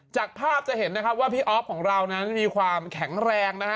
จากภาพจะเห็นนะครับว่าพี่อ๊อฟของเรานั้นมีความแข็งแรงนะฮะ